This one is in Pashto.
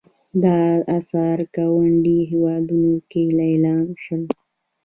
دا اثار ګاونډیو هېوادونو کې لیلام شول.